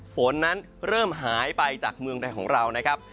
ฝนนั้นเริ่มหายไปจากเมืองไทยของเรานะครับ